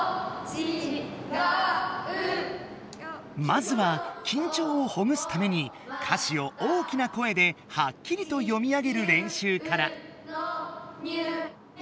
まずはきんちょうをほぐすために歌詞を大きな声ではっきりと読み上げる練習から。